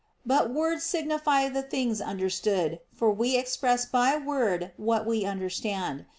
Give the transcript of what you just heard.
But words signify the things understood, for we express by word what we understand.